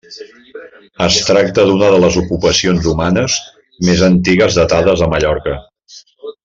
Es tracta d'una de les ocupacions humanes més antigues datades a Mallorca.